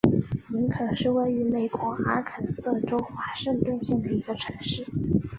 林肯是一个位于美国阿肯色州华盛顿县的城市。